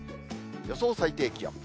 予想最低気温。